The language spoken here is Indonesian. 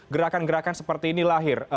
gerakan gerakan seperti ini lahir